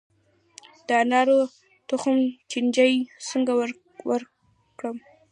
د انارو د تخم چینجی څنګه ورک کړم؟